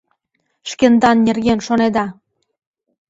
Шкендан нерген шонеда.